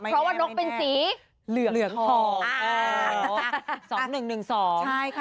เพราะว่านกเป็นสีเหลืองธรรม